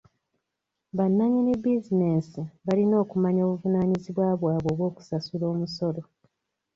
Bannanyini bizinensi balina okumanya obuvunaanyizibwa bwabwe obw'okusasula omusolo.